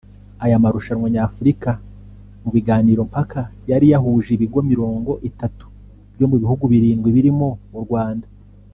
Aya marushanwa Nyafurika mu biganirompaka yari yahuje ibigo mirongo itatu byo mu bihugu birindwi birimo u Rwanda